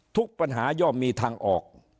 ทุกปัญหาย่อมมีทางออก